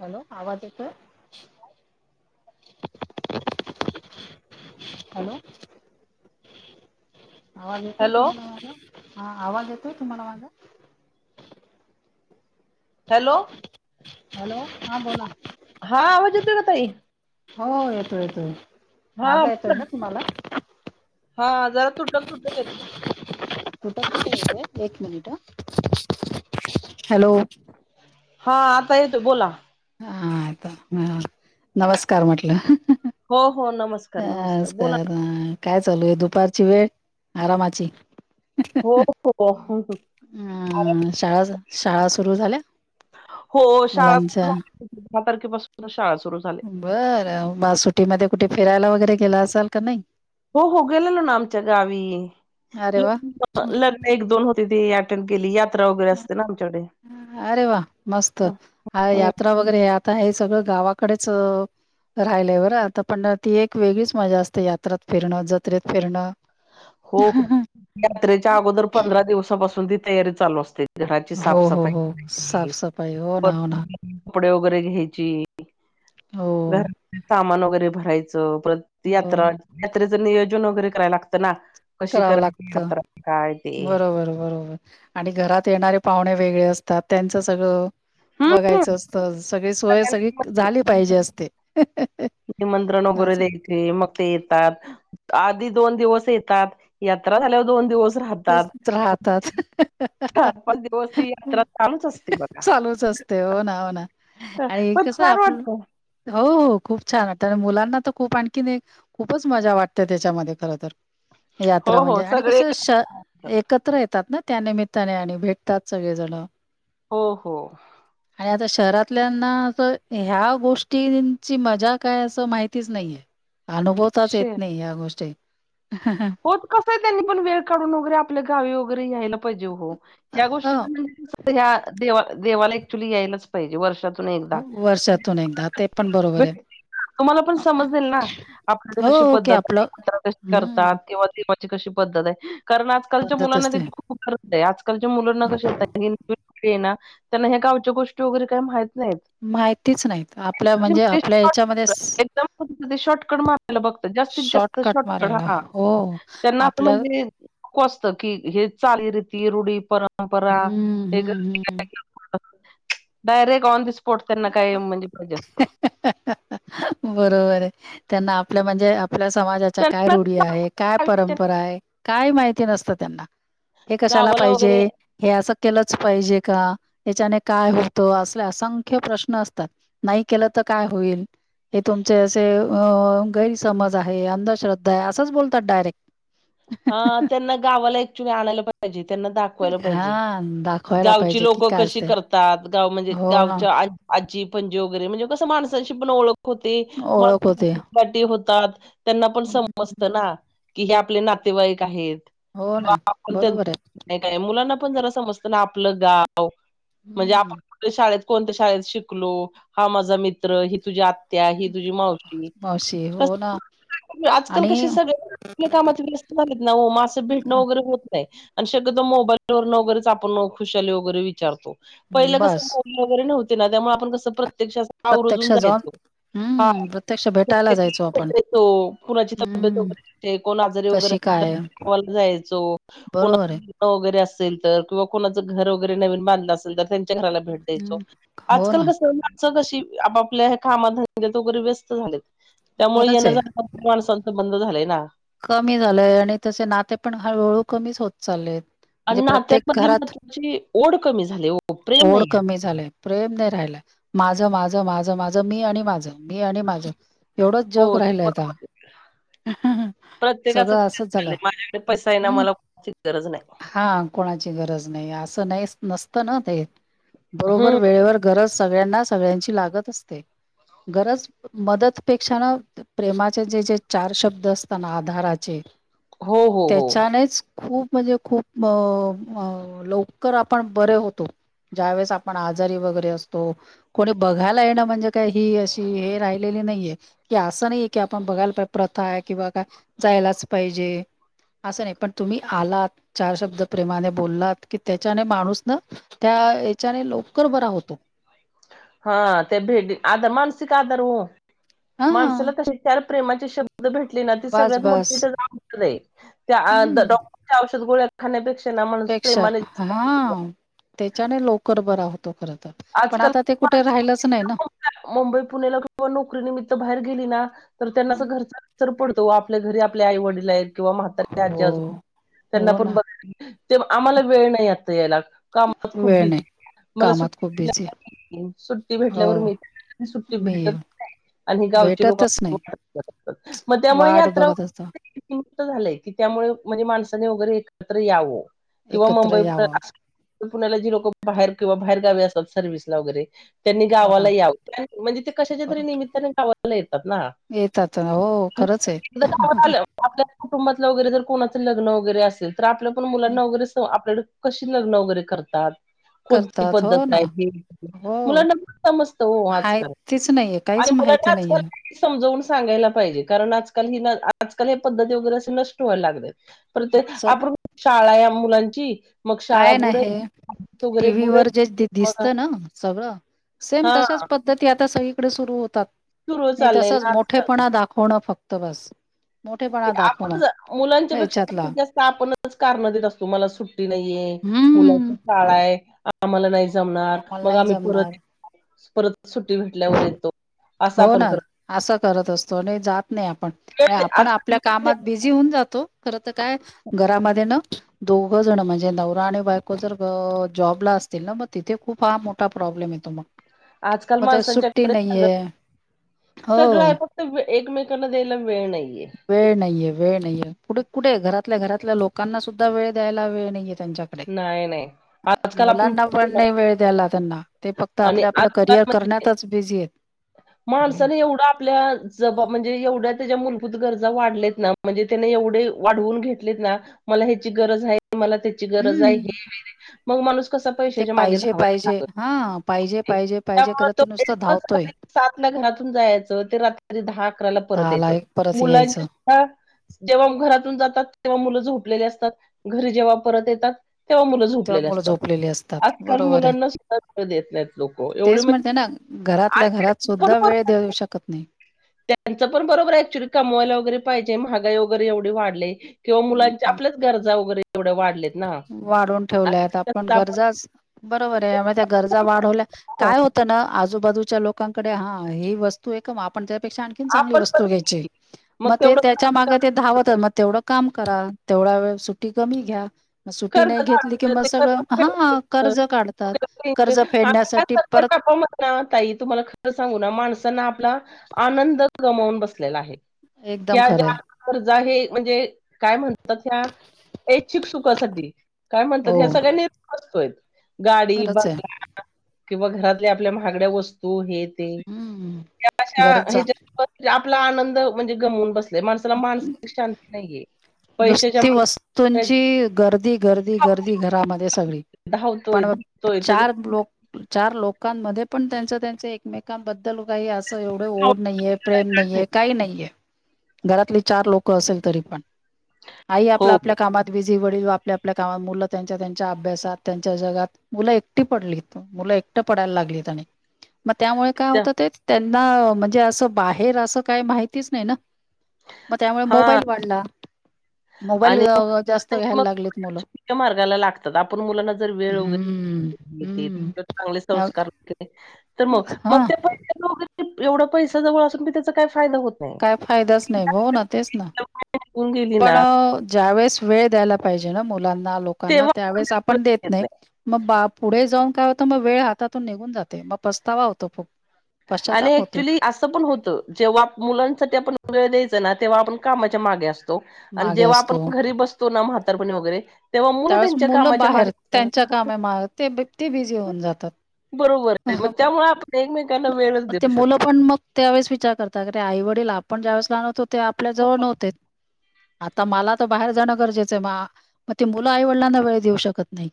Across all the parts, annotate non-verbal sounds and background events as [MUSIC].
Hello आवाज येतोय hello आवाज येतोय हॅलो तुम्हाला माझा हा आवाज येतोय तुम्हाला माझा हॅलो हॅलो हा बोलाना हा आवज येयेतोय ना ताई हो येतो येतोय हा माझा येतोय बोला ना तुम्हाला हा जरा तुटक तुटक येतोय. कुठ आहे एक मिनिट ह हॅलो हा आता येतोय बोला. हा आता ह नमस्कार म्हटलं. हो. हो नमस्कार नमस्कार आज का बोला ना. काय चालू आहे दुपारची वेळ आरामाची हो हो अम् शाळा शाळा सुरु झाल्या? हो शाळा सुरू मुलांच्या झाली दहा तारखेपासूनच शाळा सु बरं म सुटीमध्ये कुठे फिरायला वगैरे गेला असाल का नाही? हो हो गेलेलो ना आमच्या गावी अरे ल वा लग्ना एक दोन हो ती अटेंड केली. वगैरे असते ना आमच्याकडे अरे वा मस्त हम्म. हो यात्रा वगैरे हे आता हे सगळं गावाकडेच राहिलय बरं आता पण ती एक वेगळीच मजा असते यात्रात फिरणं, जत्रेत फिरणं. हो यात्रेच्या अगोदर पंधरा दिवसापासून ती तयारी चालू असते. घराची हो हो हो साफसफाई साफसफाई हो ना हो ना कपडे वगैरे घ्यायची. हो घर सामान वगैरे भरायचं परत हो यात्रा यात्रेच नियोजन वगैरे कराय लागतं ना कशी कराव करायची लागत यात्रा काय ते बरोबर बरोबर आणि घरात येणारे पाहुणे वेगळे असतात त्यांचं सगळं हम्म बघायचं असत सगळी सोय सगळी सगळ्यांना झाली पाहिजे असते. निमंत्रण वगैरे असं द्यायचे मग ते येतात आधीच दोन दिवस येतात यात्रा झाल्यावर दोन दिवस तेच राहतात राहतात चार, पाच दिवस ती यात्रा चालूच असते बघा. ते हो ना हो ना आणि पण कसं छान आपलं वाटत हो हो खूप छान वाटतं आणि मुलांना तर खूप आणखीन एक खूपच मजा वाटते त्याच्यामध्ये खर तर हो यात्रा हो म्हणजे आणि सगळे कसं श एकत्र येतात ना त्यानिमित्ताने आणि भेटतात सगळेजण हो हो. आता शहरातल्यांना असं ह्या गोष्टींची मजा काय असं माहितीच नाहीये. अनुभवताच येत श नाही या गोष्टी होत कसं आहे त्यांनी पण वेळ काढून वगैरे आपल्या गावी वगैरे यायला पाहिजे हो. ह्या गोष्टी ह म्हणजे देवाला ॲक्च्युली यायलाच पाहिजे वर्षात एकदा वर्षातून एकदा ते पण बरोबर आहे तुम्हाला पण समजेल ना आपल्या हो कशी ओके पद्धत आहे. आपलं तात हम्म किंवा देवाची कशी पद्धत आहे. कारण आजकालच्या पद्धत मुलांना असते त्याची खूप गरज आहे आजकालच्या मुलांना कशा ये ना त्यांना ह्या गावच्या गोष्टी वगैरे काय माहित नाहीत माहितीच नाहीत आपल्या म्हणजे आपल्या याच्यामध्ये शॉर्टकट मारायला बघतात. जास्तीत जास्त शॉर्टकट शॉटकट मारायला. हा हो त्यांना आता आपल्या म्हणजे नको असत कि हे चालीरीती, रुढी, परंपरा हम्म, हे हम्म, हम्म. डायरेक्ट ऑन दी स्पॉट त्यांना काय म्हणजे पाहिजे असतं. बरोबर आहे, त्यांना आपलं म्हणजे आपल्या समाजाच्या काय रूढी आहे, काय त्यांना परंपरा आहे? काय माहिती नसतं त्यांना. हे कशाला गावाला वगैरे पाहिजे? हे असं केलच पाहिजे का? ह्याच्याने काय होतं? असले असंख्य प्रश्न असतात, नाही केलं तर काय होईल? हे तुमचे असे अ गैरसमज आहे अंधश्रद्धा आहे असंच बोलतात डायरेक्ट. हा त्यांना गावाला ऍक्च्युली आणायला पाहिजे. त्यांना दाखवायला पाहिजे, हां, दाखवायला गावची पाहिजे की लोकं काय कशी असते. करतात? गाव म्हणजे हो ना, गावच्या आ आजी पंजी वगैरे म्हणजे कसं माणसांशी पण ओळख कोती मग ओळख होते. मोटी होतात, त्यांना पण हम्म समजत ना की, हे आप आपले नातेवाईक आहेत हो किंवा ना आपण त्यांचं बरोबर आहे. काय मुलांना मुलांना पण जरा समजत ना, आपलं गाव म्हणजे आपण हम्म. कुठल्या शाळेत कोणत्या शाळेत शिकलो, हा माझा मित्र, ही तुझी आत्या, ही तुझी मावशी, मावशी हो ना आजकाल आणि कसे सगळ आपापल्या कामात बिझी असता त ना हो. म आस भेटणं वगैरे होत नाही. आणि शकतो मोबाईल वरन, वगेरेच आपण खुशाली वगैरे विचारतो. पहिलं कसं बस मोबाईल वगैरे नव्हत? ना, त्यामुळे आपण कसं प्रत्यक्ष आस प्रत्यक्ष आवर्जून जाऊन जायचो. हा हम्म प्रत्यक्ष भेटायला प्रत्यक्ष जायचो आपण. भेटायचो, कुणाची तब्येत वगैरे हम्म बरी नसते, कोण आजारीे वगैरे कशी काय आहे? असले बोलवायला जायचो, कोण बरोबर आहे. [UNINTELLIGIBLE] तरी, असेल तर किंवा कोणाचं घर वगैरे नवीन बांधलं असेल तर त्यांच्या घराला भेट द्यायचो. हम्म हो आजकाल कस हाय ना? च कशी आपापल्या कामा धंद्यात वगेरे व्यस्त झालेत? त्यामुळे खरंच येन आहे. जाण माणसाच बंद झालय ना. कमी झालंय आणि तसे नाते पण हळूहळू कमीच होत चाललेत. म्हणजे आणि प्रत्येक नात्यांमधली घरात महत्वाची ओढ कमी झाली ओ. प्रेम ओढ नाही कमी झालेए, प्रेम नाही. ऱ्हायला, माझं- माझं- माझ -माझं, मी आणि माझं, मी आणि माझ. एवढंच जग राहिलय आता. प्रत्येकाच सगळं तेच असंच झालंय, झालं. माझ्याकडे पैसा हायना हम्म मला कोणाची गरज नाही. हां, कोणाची गरज नाही आस नाही स नसत ना ते, बरोबर हम्म वेळेवर गरज सगळ्यांना सगळ्यांची लागत असते. गरज मदतपेक्षा ना, प्रेमाचे जे जे चार शब्द असत ना, आधाराचे हो हो हो. त्याच्यानेच खूप म्हणजे खूप म अ लवकर आपण बरे होतो. ज्यावेेळेस आपण आजारी वगैरे असतो कोणी बघायला येणं म्हणजे काय ही अशी हे राहि लेली नाहीये की असं नाहीे की आपण बघायला पा प्रथा आहे किंवा काय जायलाच पाहिजे. असं नाही पण तुम्ही आलात, चार शब्द प्रेमाने बोललात की त्याच्याने माणूस ना त्या हेच्याने लवकर बरा होतो. हां ते भेडी आदा मानसिक आधार हो हां. माणसाला कसे चार प्रेमाचे शब्द भेटली ना ती बास सगळ्यात बास. मोठी त्याज औषध आहे त्या अ हम्म. डॉक्टरच्या औषध गोळ्या खाण्यापेक्षा ना माणूस पेक्षा प्रेमाने जास्त हां त्याच्याने लवकर बरा हो आजकाल नाही ना. [UNINTELLIGIBLE] मुंबई पुण्याला किंवा नोकरी निमित्त बाहेर गेली ना तर त्यांना असं हं. घरचा [UNINTELLIGIBLE] तो आपल्या घरी आपल्या आई वडील आहे किंवा म्हातारे आजी हो. आजोबा आहेत त्यांना हो पण ना. [UNINTELLIGIBLE] ते आम्हाला वेळ नाही आता यायला कामात खूप वेळ बिझी नाही. मला सु कामात खूप बिझी. [UNINTELLIGIBLE] सुट्टी हो. भेटल्यावर मी [UNINTELLIGIBLE] सुट्टी मी भेटत नाय. आणि गावचे भेटतच नाही. [UNINTELLIGIBLE] मग त्यामुळे वाट यात्रा [UNINTELLIGIBLE] बघत असतो. [UNINTELLIGIBLE] झालंय की त्यामुळे म्हणजे माणसाने वगैरे एकत्र यावं. किंवा एकत्र मुंबई यावं. पुण्याला जी लोक बाहेर किंवा बाहेर गावी असत सर्विसला वगैरे त्यांनी हो ना. गावालायाव म्हणजे ते कशाच्या तरी बरोबर. निमितताने गावाला येतात येतात. हो खरंच आहे. येतात ना आपल्या कुटुंबातला वगैरे जर कोणाचं लग्न वगैरे असेल तर आपल्या पण हं, मुलांना वगैरे आपल्याकडे कशी लग्न वगैरे करतात कोणती करतात हो पद्धत ना. हो. मुलांना पण समस्त हो हाय आजकाल तेच नाहीये काहीच आणि मुलांना माहिती आजकाल [INAUDIBLE] नाहीये किनाही समजवून सांगायला पाहिजे कारण आजकाल निदान आजकाल हे पद्धती वगैरे अस नष्ट व्हायला लागल्यात परत ते स आपण शाळा आहे मुलांची मग शाळा काय नाही बुडेेल तोबरे बुडेेल दिसत ना सगळं सेम हा तशाच पद्धती आता सगळीकडे सुरू होतात सुरू नाही चाललंय तसच ना आजकाल मोठेपणा दाखवणं फक्त बस ते मोठेपणा काय आपणच दाखवणं जर मुलांच्या पेक्षा याच्यातला जास्तीत जास्त आपणच कारण देत असतो मला सुट्टी नाहीये हम्म मुलांची शाळा आहे आम्हाला नाही जमणार जमणार मला मग नाही आम्ही परत जमणार येतो परत सुट्टी भेटल्यावर येतो असं हो आपण ना करत असं करत असतो आणि जात नाही आपण वेळ आणि दे- आपण आजकाल आपल्या वेळ दे कामात बिझी होऊन जातो खर तर काय घरामध्ये न दोघजण म्हणजे नवरा आणि बायको जर जॉबला असतील ना म तिथे खूप हा मोठा प्रॉब्लेम येतो म आजकाल माणसांच्याकडेच झालं सगळं हो आहे फक्त एकमेकांना द्यायला वेळ नाहीये वेळ नाहीये वेळ नाहीये. कुठे कुठे आहे घरातल्या घरातल्या लोकांना सुद्धा वेळ द्यायला वेळ नाहीयेत त्यांच्याकडे. नाही नाही आजकाल आपण मुलांना बघतो पण ना नाही वेळ द्यायला त्यांना ते फक्त आणि आपलं आपलं आजकाल करिअर म्हणजे करण्यातच बिझी आहेत हम्म. माणसाने एवढ आपल्या जबाब म्हणजे एवढ्या त्याच्या मलूत गरजा वाढलेत ना म्हणजे त्याने एवढे वाढवून घेतलेत ना मला ह्याची गरज आहे मला त्याची गरज हाय हे हम्म हाय रे मग माणूस कस ते पैशच्या मागे पाहिजे धवायला पाहिजे लागलं हा पाहिजे पाहिजे [INAUDIBLE] त्या पाहिजे मुळे करत तो ते नुसतं फेडतच धावतोय सात ला घरातून जायचं ते रात्री दहा अकराला परत दहाला यायचं एक परत मुलांची यायचं सुद्धा जेव्हा घरातून जातात तेव्हा मुलं झोपलेली असतात घरी जेव्हा परत येतात तेव्हा मुलं तेव्हा झोपलेले मुलं असतात झोपलेली असतात आजकाल बरोबर आहे. मुलांना सुद्धा वेळ देत नाहीत लोक एवढे तेच म्हणते म्हणजे ना घरातल्या आणि घरात त्यांचं पण सुद्धा वेळ बरोबर देऊ आहे. शकत नाहीत त्यांचं पण बरोबर आहे ऍक्च्युली कमवायला वगैरे पाहिजे महागाई वगैरे एवढे वाढले किंवा हम्म. मुलांच्या आपल्याच गरजा वगैरे केवढ्या वाढलेत. वाढून ठेवल्यात. आपण गरजाच पण बरोर आहे म त्या गरजा वाढवल्या हो. काय होत ना आजूबाजूच्या लोकांकडे. हा ही वस्तू आहे का मग आपण तेच्या पेक्षा आणखीन चांगली आपण वस्तू पण घ्याची म मग ते तेवढं त्याच्या कर्ज माग ते काढायचं. धवत मग तेवढं काम करा तेवढा वेळ सुट्टी कमी घ्या सुट्टी कर्ज नाही घेतली की काढायचं मग ते सगळं कर्ज हा. फेडायचं. कर्ज काढतात कर्ज फेडण्यासाठी परत हो मग ताई तुम्हाला खरा सांगूना माणसांना आपला आनंद गमावून बसलेला आहे [INAUDIBLE] एकदम ह्या खरं ज्या आहे आपुन हे म्हणजे काय म्हणतात हे इच्छुक सुखा साठी काय म्हणतात ह्या हो सगळ्याना नियम नसतोय गाडी खरंच आहे. बंगला किंवा घरातल्या आपल्या महागड्या वस्तू हे ते. हम्म ह्या आशा गरजा हेज्यात आपला आनंद म्हणजे गमून बसतात माणसाला मानसिक शांती नाहीये पैशाच्या नुसती माग वस्तूंची गर्दी गर्दी गर्दी घरामध्ये सगळी धावतोय, धावतोय, परवा धावतोय त्याच चार लोकं चार लोकांमध्ये पण त्यांच त्यांच एकमेकांबद्दल काही अस अस एवढं ओढ नाहीये प्रेम नाहीये काही नाहीये घरातली चार लोक असेल तरी पण आई हो आपल्या हो. आपल्या कामात बीझी वडील पण आपल्या आपल्या कामात मुल त्यांच्या त्यांच्या अभ्यास त्यांच्या जगात मुल एकटी पडलीत मूल एकट पडायला लागलीत आणि म त्यामुळे काय त्या होतं ते त्यांना म्हणजे असं बाहेर असं काही माहितीच नाही ना म त्यामुळे हां मोबाईल वाढला मोबाईल जास्त घ्यायला लागलेत मुलं नको त्या मार्गाला लागतात आपण मुलांना जर वेळ वगैरे हम्म नसलो देत हम्म तर चांगले संस्कार तर मग. मग हा ते पैसे जाऊदेत की एवढं पैसा जवळ असून बी त्याचा काय काय फायदाच नाही भाऊ ना तेच ना निघून गेली पण ना, ज्यावेळेस वेळ द्यायला पाहिजे ना मुलांना लोकांना त्यावेळेस आपण देत नाही मग बा पुढे जाऊ काय होतं मग वेळ हातातून निघून जाते मग पस्तावा होतो फग आणि ऍक्च्युली असं पण होत जेव्हा मुलां आप वेळ द्यायच ना तेव्हा आपण कामाच्या मागे असतो आणि मागे जेव्हा आपण असतो. घरी बसतो ना पणे वगैरे तेव्हा मुलं त्यावेळेस त्यांच्या कामाच्या बाहेर मागे त्यांच्या कामे माग ते बि- ते बिझी होऊन जातात. बरोबर मग त्यामुळे आप ते मुलं पण मग त्यावेळेस विचार करतात अे आई वडील आपण ज्यावेळेस लहानवतो ते आपल्या जवळ नव्हते आता मला तर बाहेर जाणं गरजेचं आहे मग ते मुलं आईवडिलांना वेळ देऊ शकत नाही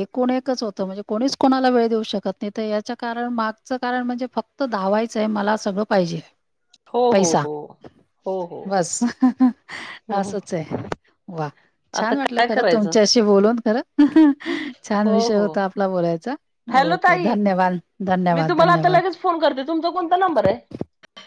एकूण एकच होतं म्हणजे कोणीच कोणाला वेळ देऊ शकत नाही तर याच्या कारण मागचं कारण म्हणजे फक्त धावायचंय मला सगळं पाहिजे हो, हो, पैसा हो. हो, हो. बस ह हो, सच आहे वा आता छान वाटलं काय खरं करायचं? तुमच्याशी बोलून खरं छान हो, विषय हो. होता आपला बोलायचा हॅलो ओके ताई, धन्यवाद मी धन्यवाद तुम्हाला आता धन्यवाद लगेच फोन करते तुमचा कोणता नंबर आहे